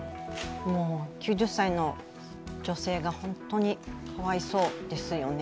９０歳の女性が本当にかわいそうですよね。